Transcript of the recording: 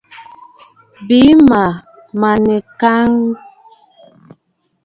Bɨ maʼa manɨkàŋə̀.